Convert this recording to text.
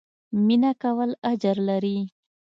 مينه کول اجر لري